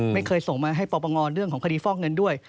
ไม่เคยส่งมาให้ปปงเรื่องของคดีฟอกเงินด้วย